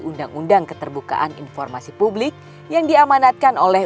undang undang keterbukaan informasi publik yang diamanatkan oleh